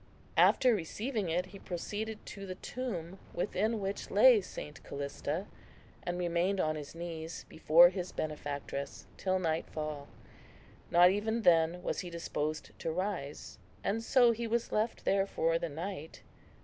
After receiving it, he proceeded to the tomb, within which lay St. Callista, and remained on his knees before his benefactress till nightfall. Not even then was he disposed to rise; and so he was left there for the night.